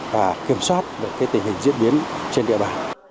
và kiểm soát được tình hình diễn biến trên địa bàn